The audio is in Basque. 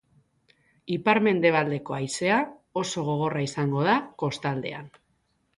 Ipar-mendebaldeko haizea oso gogorra izango da kostaldean.